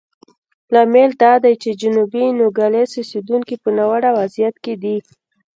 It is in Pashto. لامل دا دی چې جنوبي نوګالس اوسېدونکي په ناوړه وضعیت کې دي.